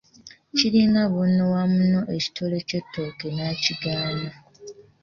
Kiringa bw'onaawa munno ekitole ky'ettooke n'akigaana.